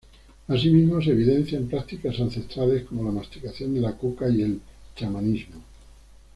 Asimismo se evidencian prácticas ancestrales como la masticación de la coca y el chamanismo.